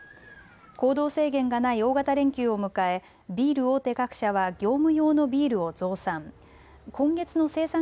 行動制限がない大型連休を迎えビール大手各社は業務用のビールを増産。